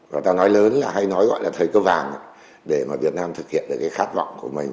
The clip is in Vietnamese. và ta nói lớn là hay nói gọi là thời cơ vàng để mà việt nam thực hiện được cái khát vọng của mình